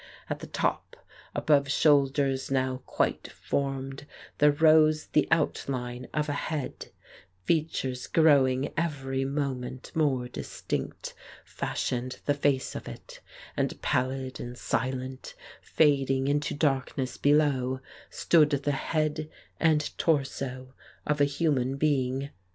At the top, above shoulders now quite formed, there rose the outline of a head; fea tures growing every moment more distinct fashioned the face of it, and, pallid and silent, fading into dark ness below, stood the head and torso of a human being.